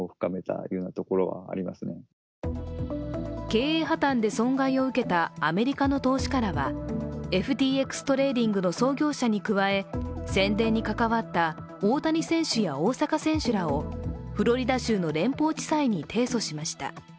経営破綻で損害を受けたアメリカの投資家らはＦＴＸトレーディングの創業者に加え宣伝に関わった大谷選手や大坂選手らをフロリダ州の連邦地裁に提訴しました。